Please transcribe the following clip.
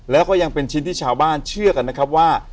แล้วก็ยังเป็นชิ้นที่ชาวบ้านเชื่อกันนะครับว่า